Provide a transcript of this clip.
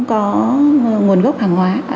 không có nguồn gốc hàng hóa